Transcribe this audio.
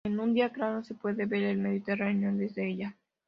En un día claro se puede ver el Mediterráneo desde ella.